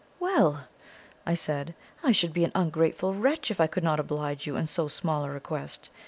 "Well!" I said, "I should be an ungrateful wretch if I could not oblige you in so small a request.